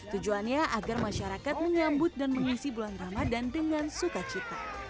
tujuannya agar masyarakat menyambut dan mengisi bulan ramadan dengan sukacita